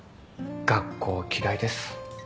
学校嫌いです。